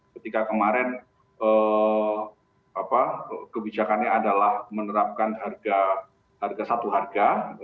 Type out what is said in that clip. ketika kemarin kebijakannya adalah menerapkan harga satu harga